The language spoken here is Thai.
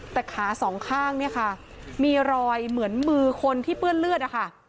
แต่ขาสองข้างเนี่ยค่ะมีรอยเหมือนมือคนที่เปื้อนเลือดนะคะ